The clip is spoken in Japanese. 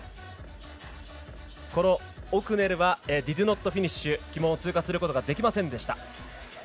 このオクネルはディドゥノットフィニッシュ旗門を通過することができませんでした。